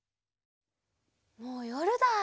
もうよるだ。